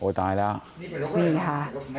โอ้ตายแล้วอาวุธแล้ว